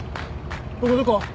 ここどこ？